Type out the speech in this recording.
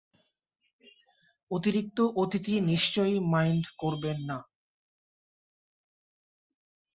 অতিরিক্ত অতিথি নিশ্চয় মাইন্ড করবেন না?